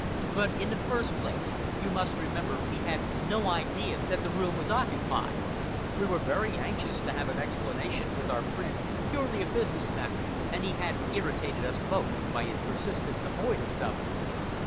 But, in the first place, you must remember we had no idea that the room was occupied. We were very anxious to have an explanation with our friend, purely a business matter, and he had irritated us both by his persistent avoidance of it.